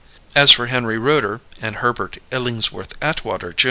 As for Henry Rooter and Herbert Illingsworth Atwater, Jr.